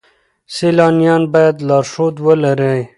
سیلانیان باید لارښود ولرئ.